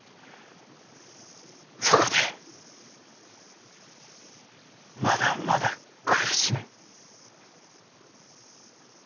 そこでまだまだ苦しめ。